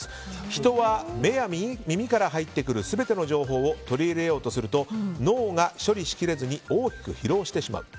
人は目や耳から入ってくる全ての情報を取り入れようとすると脳が処理しきれずに大きく疲労してします。